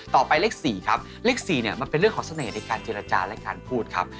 ต่อไปเลข๔ครับเลข๔เนี่ยมันเป็นเรื่องของเสน่ห์ในการเจรจาและการพูดครับ